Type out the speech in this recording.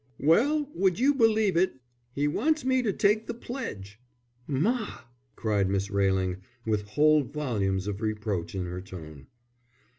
"Well, would you believe it, he wants me to take the pledge." "Ma!" cried Miss Railing, with whole volumes of reproach in her tone.